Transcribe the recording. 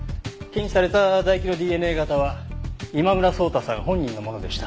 検出された唾液のＤＮＡ型は今村草太さん本人のものでした。